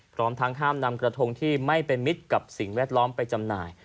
พร้อมทั้งห้ามนำกระทงที่ไม่เป็นมิตรกับสิ่งแวดล้อมไปจำหน่าย